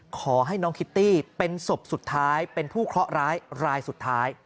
ขอให้น้องคิตตี้เป็นศพสุดท้ายเป็นผู้เคราะห์ร้ายรายสุดท้าย